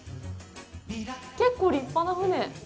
結構立派な船。